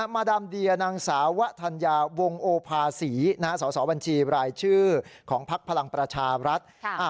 มาดามเดียนางสาวะธัญญาวงโอภาษีสสบัญชีรายชื่อของพักพลังประชารัฐ